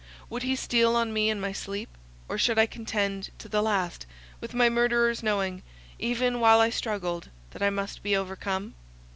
Would he steal on me in my sleep; or should I contend to the last with my murderers, knowing, even while I struggled, that I must be overcome?